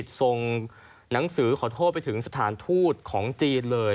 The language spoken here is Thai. ยอมรับผิดทรงหนังสือขอโทษไปถึงสถานทูตของจีนเลย